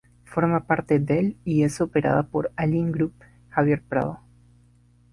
Forma parte del y es operada por Allin Group Javier Prado.